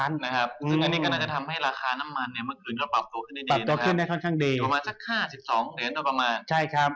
ซึ่งอันนี้ก็น่าจะทำให้ราคาน้ำมันเมื่อคืนจะปรับตัวขึ้นได้ดีประมาณสักค่า๑๒เหรียญ